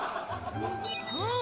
うん！